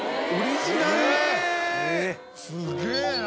すげぇな。